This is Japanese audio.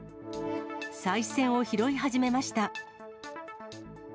さい銭を拾い始めました。